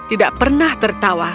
tidak pernah tertawa